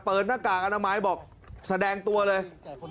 หน้ากากอนามัยบอกแสดงตัวเลย